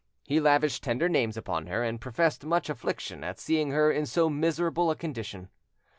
He lavished tender names upon her, and professed much affliction at seeing her in so miserable a condition.